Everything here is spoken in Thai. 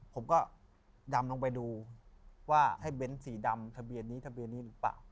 ผมก็ดำลงไปดูว่าให้เบ้นสีดำทะเบียนนี้ทะเบียนนี้หรือเปล่า